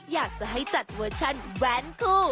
อยากจะให้จัดเวอร์ชันแว้นคู่